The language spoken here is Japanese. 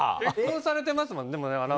結婚されてますもんね。